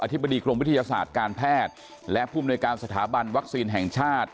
ธิบดีกรมวิทยาศาสตร์การแพทย์และผู้มนวยการสถาบันวัคซีนแห่งชาติ